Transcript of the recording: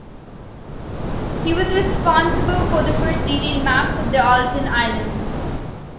He was responsible for the first detailed maps of the Aleutian Islands.